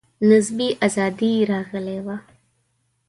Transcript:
نسبي آزادي راغلې وه.